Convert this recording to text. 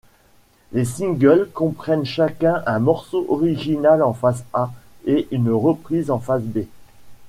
Les singles comprennent chacun un morceau original en face-A et une reprise en face-B.